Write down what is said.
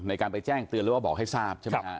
ในการไปแจ้งเตือนแล้วบอกให้ทราบใช่ไหมครับ